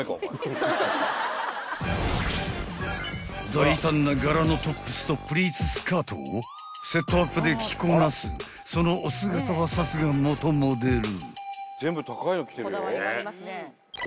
［大胆な柄のトップスとプリーツスカートをセットアップで着こなすそのお姿はさすが元モデル］